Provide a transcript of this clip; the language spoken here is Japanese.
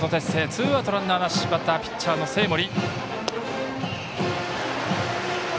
ツーアウトランナーなしでバッターはピッチャーの生盛。